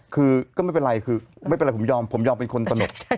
คือก็ไม่เป็นไรคือไม่เป็นไรผมยอมผมยอมเป็นคนตนก